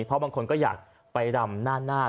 เพราะบางคนก็อยากไปรำหน้า